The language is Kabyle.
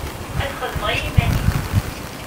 Ad xedmeɣ i iman-iw.